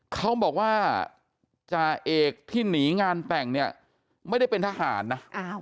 เขาบอกว่าจ่าเอกที่หนีงานแต่งเนี่ยไม่ได้เป็นทหารนะ